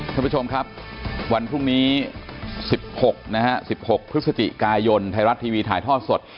ท่านผู้ชมครับวันพรุ่งนี้๑๖นะฮะ๑๖พฤศจิกายนไทยรัฐทีวีถ่ายทอดสด